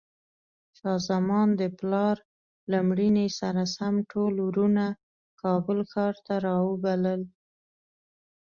شاه زمان د پلار له مړینې سره سم ټول وروڼه کابل ښار ته راوبلل.